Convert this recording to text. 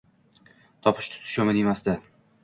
Topish-tutishi yomon emasdi